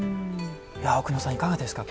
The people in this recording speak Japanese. いや奥野さんいかがですか？